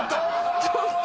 ちょっと。